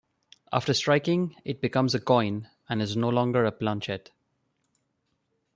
After striking, it becomes a coin and is no longer a planchet.